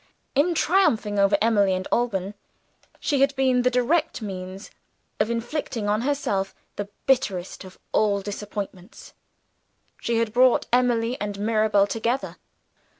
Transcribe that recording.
In triumphing over Emily and Alban, she had been the indirect means of inflicting on herself the bitterest of all disappointments she had brought Emily and Mirabel together.